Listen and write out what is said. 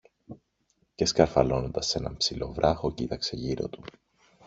Και σκαρφαλώνοντας σ' έναν ψηλό βράχο, κοίταξε γύρω του.